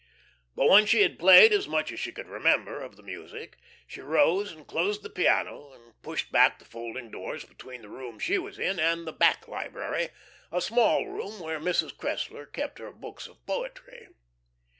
But when she had played as much as she could remember of the music, she rose and closed the piano, and pushed back the folding doors between the room she was in and the "back library," a small room where Mrs. Cressler kept her books of poetry.